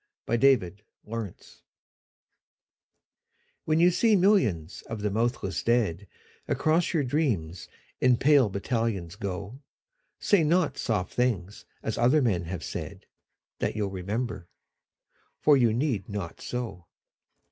XCI The Army of Death WHEN you see millions of the mouthless dead Across your dreams in pale battalions go, Say not soft things as other men have said, That you'll remember. For you need not so.